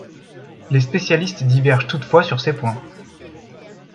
Les spécialistes divergent toutefois sur ces points.